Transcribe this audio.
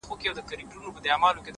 زړه راته زخم کړه ـ زارۍ کومه ـ